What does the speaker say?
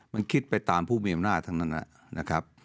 มันคิดไปตามผู้มีอำนาจทั้งนั้นนะครับ